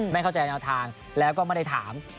ไม่เข้าใจแนวทางแล้วก็ไม่ได้ถาม